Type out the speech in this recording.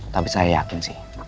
tapi saya juga mau ngejelasin